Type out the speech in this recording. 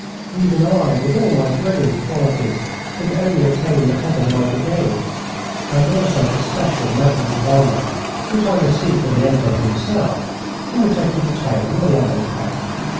Even I, with all my brilliant qualities, could only attain the head of my brigade, and also the special medal of honour, which I received from the Emperor himself, and which I keep at home in a leathern pouch.